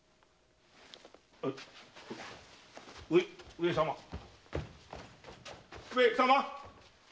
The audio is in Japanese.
上様上様？